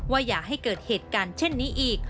อย่าให้เกิดเหตุการณ์เช่นนี้อีก